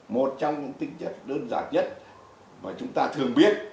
một trong những tính chất đơn giản nhất mà chúng ta thường biết